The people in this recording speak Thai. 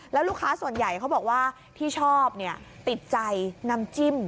แล้วลูกค้าส่วนใหญ่เขาบอกว่าที่ชอบติดใจน้ำจิ้ม